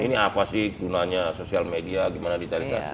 ini apa sih gunanya sosial media gimana digitalisasi